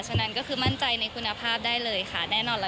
ฉะนั้นก็คือมั่นใจในคุณภาพได้เลยค่ะแน่นอนแล้ว